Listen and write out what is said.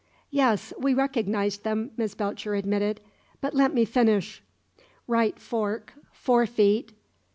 "Yes, we recognized them," Miss Belcher admitted. But let me finish: " "'Right fork, four feet.